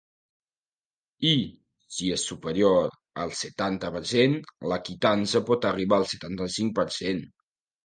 I, si és superior al setanta per cent, la quitança pot arribar al setanta-cinc per cent.